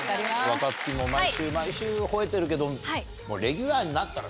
若槻も毎週毎週吠えてるけど。